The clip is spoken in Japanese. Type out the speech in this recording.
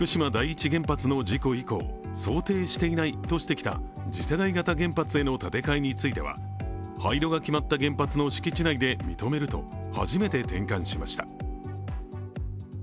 また、福島第一原発の事故以降想定していないとしてきた次世代型原発への建て替えについては廃炉が決まった原発の敷地内で認めると初めて転換しました。